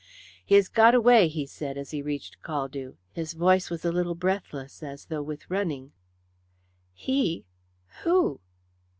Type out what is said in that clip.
"He has got away," he said, as he reached Caldew. His voice was a little breathless, as though with running. "He? Who?"